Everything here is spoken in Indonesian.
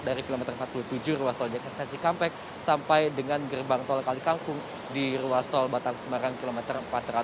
dari kilometer empat puluh tujuh ruas tol jakarta cikampek sampai dengan gerbang tol kalikangkung di ruas tol batang semarang kilometer empat ratus